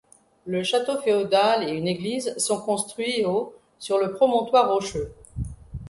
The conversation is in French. Le château féodal et une église sont construits au sur le promontoire rocheux.